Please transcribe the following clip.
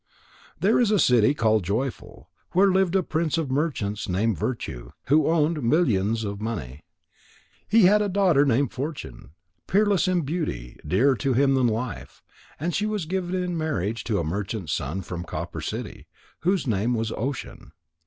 There is a city called Joyful, where lived a prince of merchants named Virtue, who owned millions of money. He had a daughter named Fortune, peerless in beauty, dearer to him than life. And she was given in marriage to a merchant's son from Copper City, whose name was Ocean.